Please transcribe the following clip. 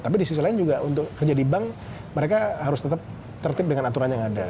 tapi di sisi lain juga untuk kerja di bank mereka harus tetap tertib dengan aturan yang ada